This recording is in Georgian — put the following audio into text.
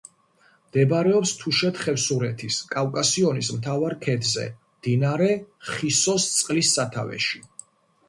მდებარეობს თუშეთ-ხევსურეთის კავკასიონის მთავარ ქედზე, მდინარე ხისოს წყლის სათავეში.